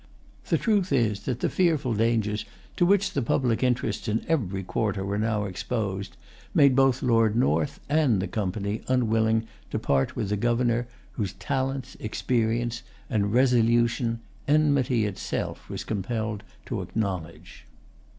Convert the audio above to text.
The truth is that the fearful dangers to which the public interests in every quarter were now exposed made both Lord North and the Company unwilling to part with a Governor whose talents, experience, and resolution enmity itself was compelled to acknowledge.